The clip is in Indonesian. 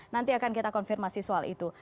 nanti akan kita konfirmasi soal itu